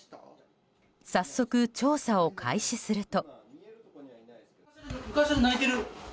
早速、調査を開始すると。